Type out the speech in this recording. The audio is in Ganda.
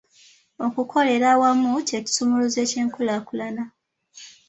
Okukolera awamu kye kisumuluzo ky'enkulaakulana.